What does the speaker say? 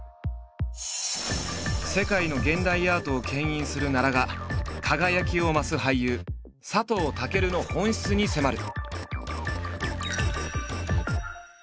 世界の現代アートをけん引する奈良が輝きを増す俳優佐藤健の本質に迫る！